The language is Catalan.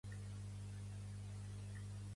Lluís Piquer i Jové va ser un pedagog nascut a Lleida.